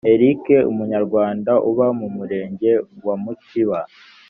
eric umunyarwanda uba mu murenge wa mutiba